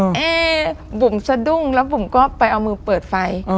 เอ๊บุ๋มสะดุ้งแล้วบุ๋มก็ไปเอามือเปิดไฟ